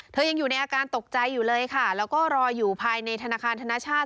ยังอยู่ในอาการตกใจอยู่เลยค่ะแล้วก็รออยู่ภายในธนาคารธนชาติ